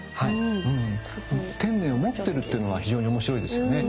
天衣を持ってるっていうのは非常に面白いですよね。